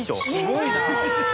すごいな！